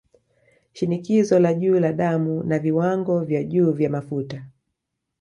Shinikizo la juu la damu na Viwango vya juu vya Mafuta